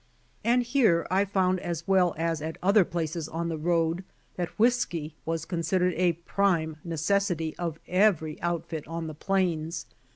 And here I found as well as at other places on the road that whiskey was considered a prime necessity of every outfit on the plains.